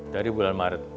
dari bulan maret